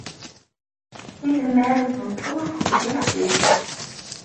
Tizemmar n tmeṭṭut deg yiles-is.